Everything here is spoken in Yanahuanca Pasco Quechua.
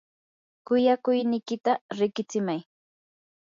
kuyakuynikita riqitsimay.